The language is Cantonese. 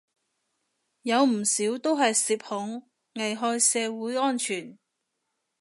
有唔少都係涉恐，危害社會安全